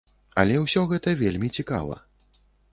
Але ўсё гэта вельмі цікава.